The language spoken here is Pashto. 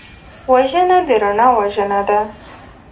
وژنه د رڼا وژنه ده